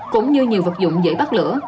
cũng như nhiều vật dụng dễ bắt lửa